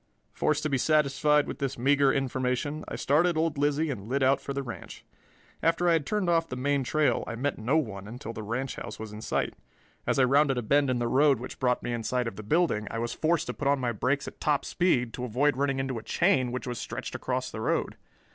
Forced to be satisfied with this meager information, I started old Lizzie and lit out for the ranch. After I had turned off the main trail I met no one until the ranch house was in sight. As I rounded a bend in the road which brought me in sight of the building, I was forced to put on my brakes at top speed to avoid running into a chain which was stretched across the road.